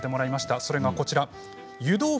それがこちらです。